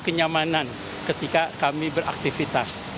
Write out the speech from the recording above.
kenyamanan ketika kami beraktivitas